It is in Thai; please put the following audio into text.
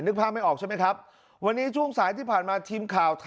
นึกภาพไม่ออกใช่ไหมครับวันนี้ช่วงสายที่ผ่านมาทีมข่าวไทยรัสทีวีนะครับ